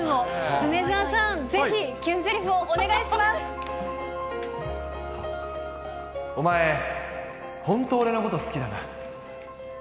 梅澤さん、お前、本当俺のこと好きだな。